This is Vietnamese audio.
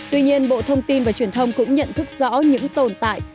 tuy nhiên bộ thông tin và truyền thông cũng nhận thức rõ những tồn tại